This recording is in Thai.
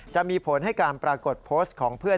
จะมีผลให้การปรากฏโพสต์ของเพื่อน